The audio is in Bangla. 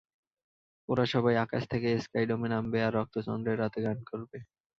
ওরা সবাই আকাশ থেকে স্কাইডোমে নামবে, আর রক্তচন্দ্রের রাতে গান করবে।